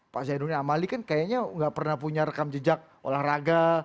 pak zainuddin amali kan kayaknya nggak pernah punya rekam jejak olahraga